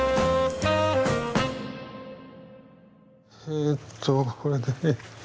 えっとこれで。